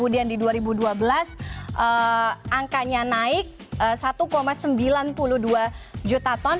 di dua ribu dua belas angkanya naik satu sembilan puluh dua juta ton